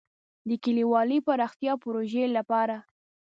د کلیوالي پراختیا پروژې لپاره.